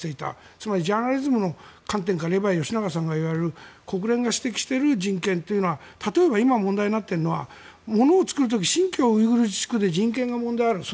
つまりジャーナリズムの観点からいえば吉永さんが言われる国連が指摘している人権というのは例えば今問題になっているのはものを作る時に新疆ウイグル自治区で人権の問題がある。